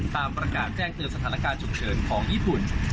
ตามประกาศแจ้งเตือนสถานการณ์ฉุกเฉินของญี่ปุ่น